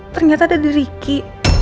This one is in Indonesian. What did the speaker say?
ternyata ada di ricky